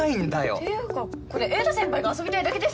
っていうかこれ瑛太先輩が遊びたいだけですよね？